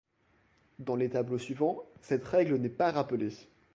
Dans les tableaux suivants, cette règle n'est pas rappelée.